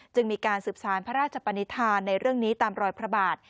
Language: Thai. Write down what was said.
จึงมีการศึกษาภัราชปณิธาในเรื่องนี้ตามลอยพระบาท